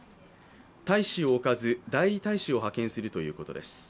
大使を置かず、代理大使を派遣するということです。